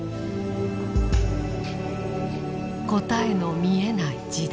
「答えの見えない時代。